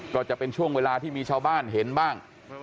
ก็จะเป็นช่วงเวลาที่มีชาวบ้านเห็นบ้าง